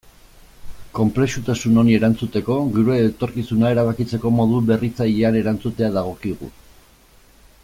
Konplexutasun honi erantzuteko, gure etorkizuna erabakitzeko modu berritzailean erantzutea dagokigu.